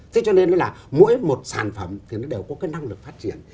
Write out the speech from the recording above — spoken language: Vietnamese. thế cho nên là mỗi một sản phẩm thì nó đều có cái năng lực phát triển